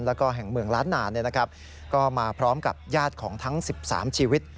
และก็แห่งเมืองล้านนานเนี่ยนะครับก็มาพร้อมกับญาติของทั้ง๑๓ชีวิต